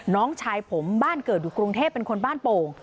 น้องชายผมบ้านเกิดอยู่กรุงเทพเป็นคนบ้านโป่ง